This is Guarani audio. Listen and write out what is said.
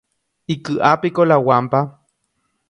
Iky'ápiko la guampa.